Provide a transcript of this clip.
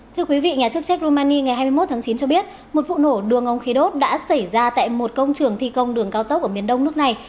thưa quý vị nhà chức trách rumani ngày hai mươi một tháng chín cho biết một vụ nổ đường ống khí đốt đã xảy ra tại một công trường thi công đường cao tốc ở miền đông nước này